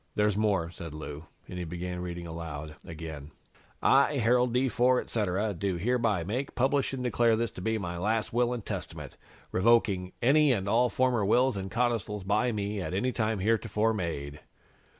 "There's more," said Lou, and he began reading aloud again: "'I, Harold D. Ford, etc., do hereby make, publish and declare this to be my last Will and Testament, revoking any and all former wills and codicils by me at any time heretofore made.'"